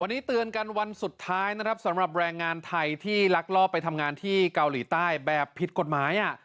วันนี้เตือนกันวันสุดท้ายนะครับสำหรับแรงงานไทยที่ลักลอบไปทำงานที่เกาหลีใต้แบบผิดกฎหมาย